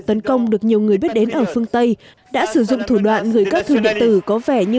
tấn công được nhiều người biết đến ở phương tây đã sử dụng thủ đoạn gửi các thư điện tử có vẻ như